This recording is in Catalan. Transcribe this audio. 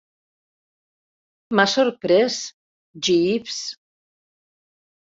M'has sorprès, Jeeves.